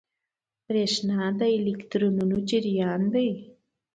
برېښنا د الکترونونو جریان دی.